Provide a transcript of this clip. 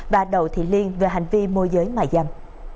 và đầu thị liên về hành vi môi giới mà dân